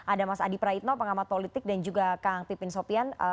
ada mas adi praitno pengamat politik dan juga kang pipin sopian